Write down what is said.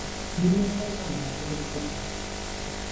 দেরি হলেই ভাবে মোটরে বিপদ ঘটেছে।